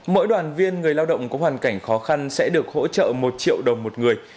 mỗi đoàn viên người lao động có hoàn cảnh khó khăn sẽ được hỗ trợ một triệu đồng một người